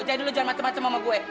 jadi lo jangan macem macem sama gue